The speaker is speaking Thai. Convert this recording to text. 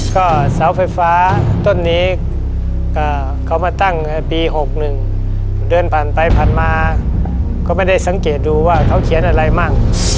ก็เสาไฟฟ้าต้นนี้เขามาตั้งปี๖๑เดินผ่านไปผ่านมาก็ไม่ได้สังเกตดูว่าเขาเขียนอะไรมั่ง